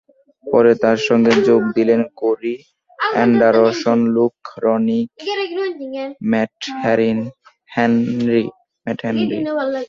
পরে তার সঙ্গে যোগ দিলেন Corey Anderson, Luke Ronchi, Matt Henry.